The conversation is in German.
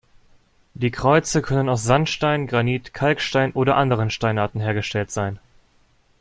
Die Kreuze können aus Sandstein, Granit, Kalkstein oder anderen Steinarten hergestellt sein.